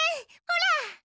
ほら。